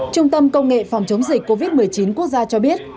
trung tâm công nghệ phòng chống dịch covid một mươi chín quốc gia cho biết